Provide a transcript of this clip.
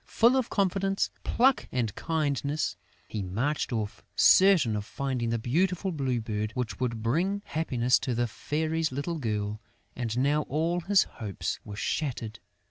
Full of confidence, pluck and kindness, he had marched off, certain of finding the beautiful Blue Bird which would bring happiness to the Fairy's little girl. And now all his hopes were shattered!